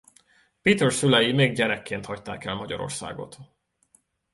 Peter szülei még gyerekként hagyták el Magyarországot.